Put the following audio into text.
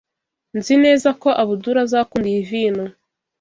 Nzi neza ko Abdul azakunda iyi vino.